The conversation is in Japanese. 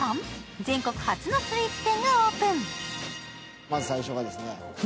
全国初のスイーツ店がオープン。